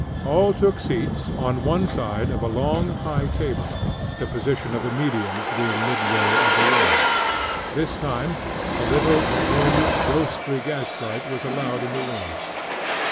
All took seats at one side of a long, high table the position of the mediums being midway of the row. This time, a little, dim, ghostly gaslight was allowed in the room.